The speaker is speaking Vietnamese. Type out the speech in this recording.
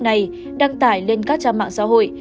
này đăng tải lên các trang mạng xã hội